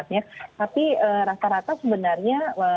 tapi rata rata sebenarnya